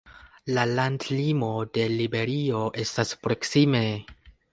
La landlimo de Liberio estas proksime.